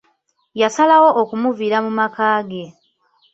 Yasalawo okumuviira mu maka ge.